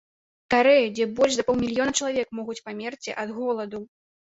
Карэю, дзе больш за паўмільёна чалавек могуць памерці ад голаду.